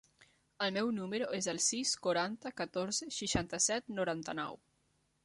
El meu número es el sis, quaranta, catorze, seixanta-set, noranta-nou.